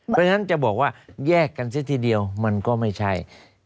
เพราะฉะนั้นจะบอกว่าแยกกันเสียทีเดียวมันก็ไม่ใช่